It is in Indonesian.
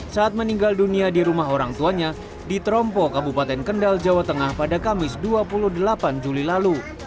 saat meninggal dunia di rumah orang tuanya di trompo kabupaten kendal jawa tengah pada kamis dua puluh delapan juli lalu